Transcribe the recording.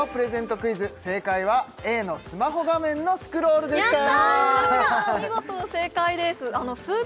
クイズ正解はＡのスマホ画面のスクロールでしたやった！